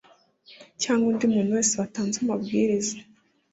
cyangwa undi muntu wese watanze amabwiriza